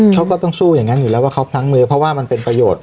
เขาก็ต้องสู้อย่างงั้นอยู่แล้วเพราะเป็นประโยชน์